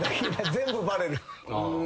全部バレる。